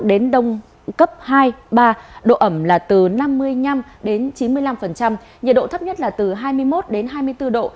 đến đông cấp hai ba độ ẩm là từ năm mươi năm đến chín mươi năm nhiệt độ thấp nhất là từ hai mươi một hai mươi bốn độ